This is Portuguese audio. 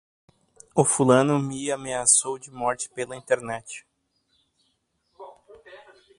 O fulano me ameaçou de morte pela internet